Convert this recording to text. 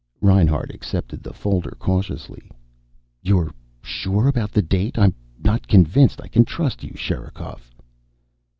Reinhart accepted the folder cautiously. "You're sure about the date? I'm not convinced I can trust you, Sherikov."